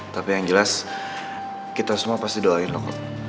tapi yang jelas kita semua pasti doain lu kok